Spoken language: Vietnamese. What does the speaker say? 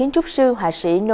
trong thời gian